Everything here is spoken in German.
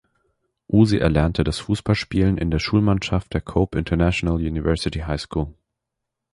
Usui erlernte das Fußballspielen in der Schulmannschaft der "Kobe International University High School".